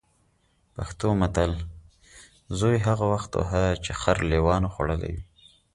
پښتو متل: زوی هغه وخت وهه چې خر لېوانو خوړلی وي.